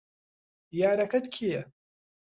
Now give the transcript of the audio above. یارەکەت کێیە؟